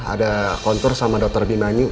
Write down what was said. ada kontur sama dokter bimani